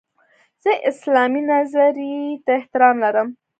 زه اسلامي نظرې ته احترام لرم.